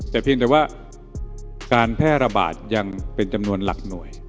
แต่เพียงแต่ว่าการแพร่ระบาดยังเป็นจำนวนหลักหน่วย